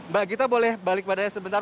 mbak gita boleh balik pada sebentar